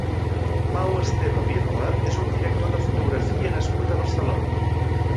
Pau Esteve Birba és un director de fotografia nascut a Barcelona.